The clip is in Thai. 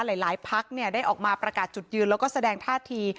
หลายพักได้ออกมาประกาศจุดยืนแล้วก็แสดงท่าที